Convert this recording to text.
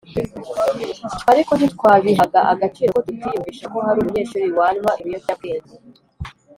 twe ariko ntitwabihaga agaciro kuko tutiyumvishaga ko hari umunyeshuri wanywa ibiyobyab wenge